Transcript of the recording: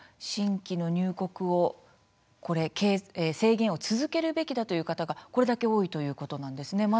新規の入国を制限を続けるべきだという方がこれだけ多いということなんですね。